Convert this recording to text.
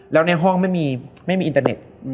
แล้วในห้องไม่มีอินเตอร์เน็ต